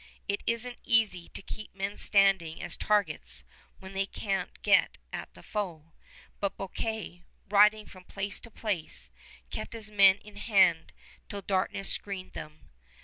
It is n't easy to keep men standing as targets when they can't get at the foe; but Bouquet, riding from place to place, kept his men in hand till darkness screened them.